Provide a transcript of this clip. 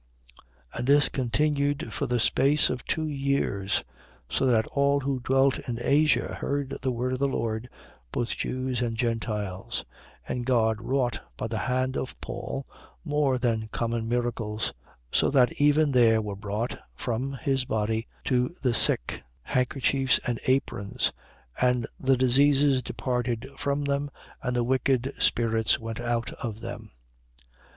19:10. And this continued for the space of two years, so that all who dwelt in Asia heard the word of the Lord, both Jews and Gentiles. 19:11. And God wrought by the hand of Paul more than common miracles. 19:12. So that even there were brought from his body to the sick, handkerchiefs and aprons: and the diseases departed from them: and the wicked spirits went out of them.